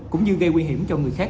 cũng như gây nguy hiểm cho người khác